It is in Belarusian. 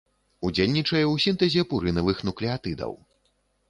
Ўдзельнічае ў сінтэзе пурынавых нуклеатыдаў.